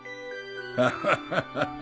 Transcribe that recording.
ハハハ。